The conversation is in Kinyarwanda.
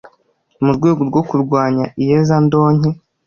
mu rwego rwo kurwanya iyezandonke